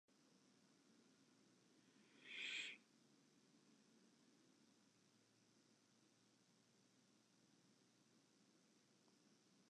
De útslaande brân bruts om healwei sânen út.